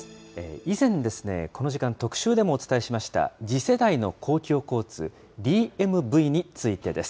以前ですね、この時間、特集でもお伝えしました次世代の公共交通、ＤＭＶについてです。